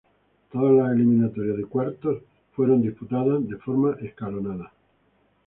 Todas las eliminatorias de cuartos fueron disputadas de forma escalonada.